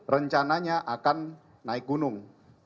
rencananya akan naik gunung